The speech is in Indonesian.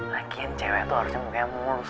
lagian cewek tuh harus sembuh kayak mulus